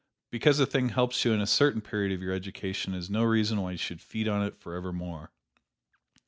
Because a thing helps you in a certain period of your education is no reason why you should feed upon it forevermore.